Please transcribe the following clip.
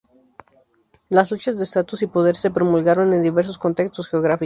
Las luchas de estatus y poder se promulgaron en diversos contextos geográficos.